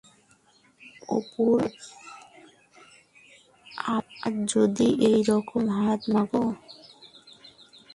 অপুর আমার যদি ওইরকম হাত-মাগো!